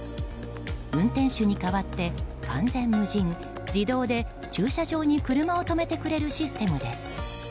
運転手に代わって完全無人自動で駐車場に車を止めてくれるシステムです。